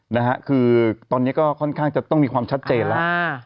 นะฮะคือตอนนี้ก็ค่อนข้างจะต้องมีความชัดเจนแล้วอ่า